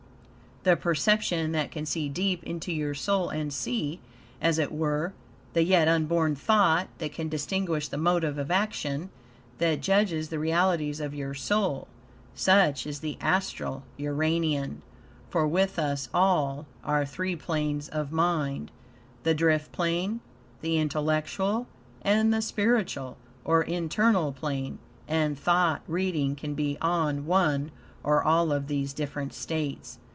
The perception that can see deep into your soul and see, as it were, the yet unborn thought; that can distinguish the motive of action; that judges the realities of your soul. Such is the Astral Uranian. For with us all, are three planes of mind: The drift plane, the intellectual, and the spiritual, or internal plane; and thought reading can be on one or all of these different states.